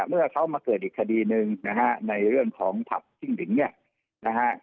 เมื่อเขามาเกิดอีกคดีหนึ่งนะฮะในเรื่องของผับจิ้งหลิงเนี่ยนะฮะ